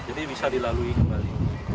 jadi bisa dilalui kembali